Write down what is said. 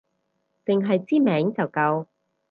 淨係知名就夠